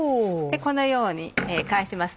このように返します。